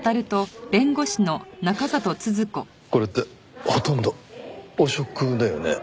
これってほとんど汚職だよね。